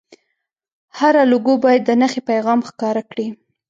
هره لوګو باید د نښې پیغام ښکاره کړي.